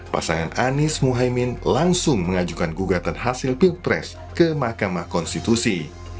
pasangan anies muhaymin langsung mengajukan gugatan hasil pilpres ke mahkamah konstitusi